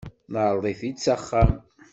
Neɛreḍ-it-id s axxam.